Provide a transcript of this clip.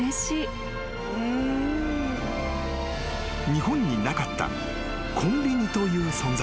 ［日本になかったコンビニという存在］